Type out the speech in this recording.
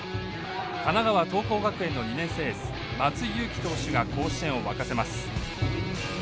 神奈川桐光学園の２年生エース松井裕樹投手が甲子園を沸かせます。